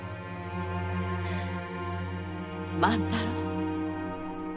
万太郎。